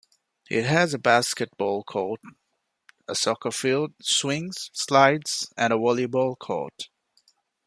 It has a basketball court, a soccer field, swings, slides, and a volleyball court.